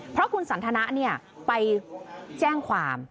เพราะคุณสันทนะไปแจ้งความ